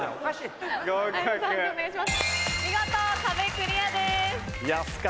見事壁クリアです。